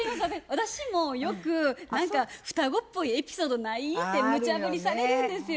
私もよく「何か双子っぽいエピソードない？」ってむちゃぶりされるんですよ。